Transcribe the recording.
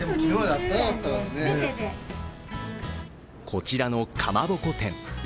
こちらのかまぼこ店。